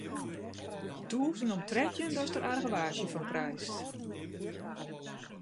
Tûzen om trettjin datst der argewaasje fan krijst.